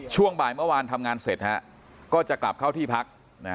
ช่วงบ่ายเมื่อวานทำงานเสร็จก็จะกลับเข้าที่พัก